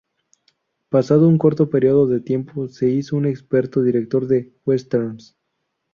Pasado un corto período de tiempo se hizo un experto director de westerns.